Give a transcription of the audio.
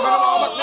masih mana obatnya